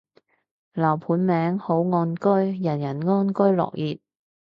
樓盤名，好岸居，人人安居樂業